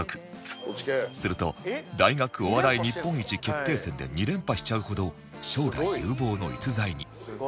すると大学お笑い日本一決定戦で２連覇しちゃうほど将来有望の逸材に